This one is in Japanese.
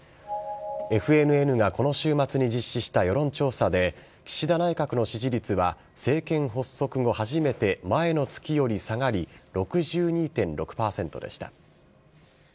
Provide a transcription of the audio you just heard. ＦＮＮがこの週末に実施した世論調査で、岸田内閣の支持率は、政権発足後初めて前の月より下がり、６２．６％でした。